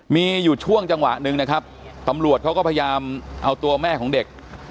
มีอยู่ช่วงจังหวะหนึ่งนะครับตำรวจเขาก็พยายามเอาตัวแม่ของเด็ก